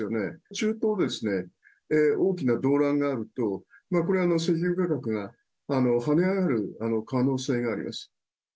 中東に大きな動乱があると、これ、石油価格が跳ね上がる可能性があります。